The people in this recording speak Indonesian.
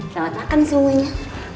selamat makan semuanya